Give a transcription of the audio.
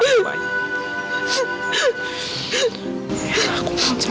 gak kayak aku zak